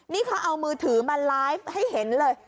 นี่เขาเอามือถือมาไลฟ์ให้เห็นเลย